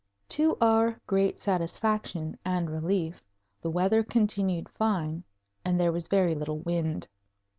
To our great satisfaction and relief, the weather continued fine and there was very little wind.